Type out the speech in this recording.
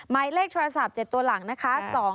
หมายเลขโทรศัพท์๗ตัวหลังนะคะ